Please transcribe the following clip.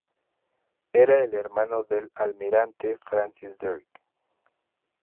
Era el hermano del almirante Francis Drake.